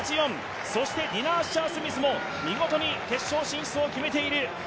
そしてディナ・アッシャー・スミスも見事に決勝進出を決めている。